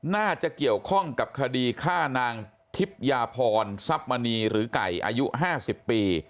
น่าจะเกี่ยวข้องกับคดีฆ่านางทิพยาพรทรัพย์มณีหรือไก่อายุ๕๐ปี